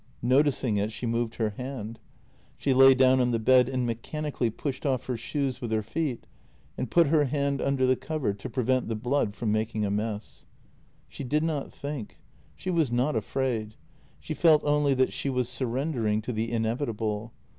Noticing it, she moved her hand. She lay down on the bed and mechanically pushed off her shoes with her feet, and put her hand under the cover to prevent the blood from making a mess. She did not think; she was not afraid; she felt only that she was surrendering to the inevitable.